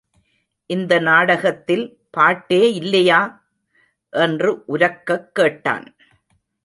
இந்த நாடகத்தில் பாட்டே இல்லையா? என்று உரக்கக் கேட்டான்!